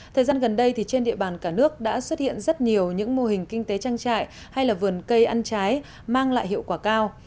thời gian gần đây trên địa bàn cả nước đã xuất hiện rất nhiều những mô hình kinh tế trang trại hay vườn cây ăn trái mang lại hiệu quả cao